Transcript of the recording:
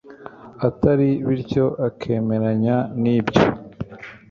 atari, bityo akemeranya n'ibyo